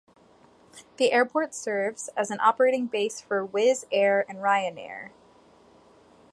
The airport serves as an operating base for Wizz Air and Ryanair.